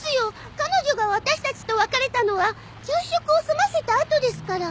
彼女が私たちと別れたのは昼食を済ませたあとですから。